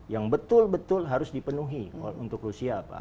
yang betul betul harus dipenuhi untuk rusia pak